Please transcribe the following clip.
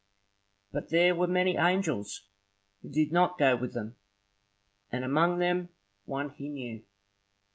But there were many angels who did not go with them, and among them one he knew.